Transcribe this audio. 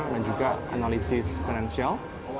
dan juga analisis finansial